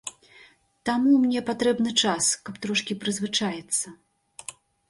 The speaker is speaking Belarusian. Таму мне патрэбны час, каб трошкі прызвычаіцца.